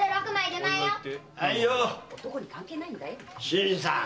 新さん。